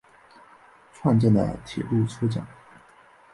串站的铁路车站。